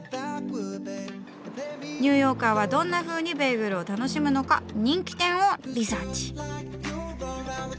ニューヨーカーはどんなふうにベーグルを楽しむのか人気店をリサーチ。